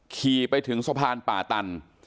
ขี่ไปถึงสะพานป่าตัน